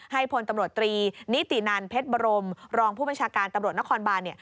พลตำรวจตรีนิตินันเพชรบรมรองผู้บัญชาการตำรวจนครบานเนี่ย